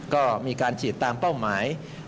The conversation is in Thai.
ก็มีการฉีดตามเป้าหมาย